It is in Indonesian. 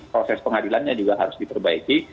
proses pengadilannya juga harus diperbaiki